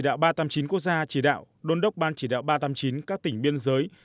đạo ba trăm tám mươi chín quốc gia chỉ đạo đôn đốc ban chỉ đạo ba trăm tám mươi chín các tỉnh biên giới